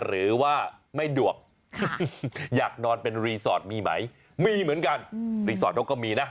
หรือว่าไม่ดวกอยากนอนเป็นรีสอร์ทมีไหมมีเหมือนกันรีสอร์ทเขาก็มีนะ